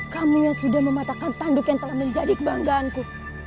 kamu yang sudah mematahkan tanduk yang telah menjadi kebanggaanku